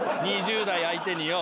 ２０代相手によ。